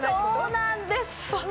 そうなんです。